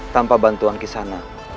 tanpa bantuan kisana